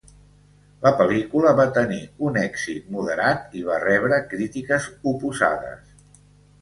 La pel·lícula va tenir un èxit moderat i va rebre crítiques oposades.